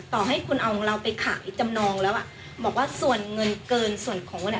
ต่อให้คุณเอาของเราไปขายจำนองแล้วอ่ะบอกว่าส่วนเงินเกินส่วนของเนี่ย